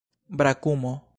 brakumo